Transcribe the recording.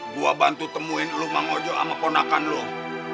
gua bantu temuin lu mang ojo sama ponak ponak